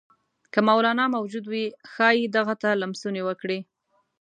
که مولنا موجود وي ښايي دغه ته لمسونې وکړي.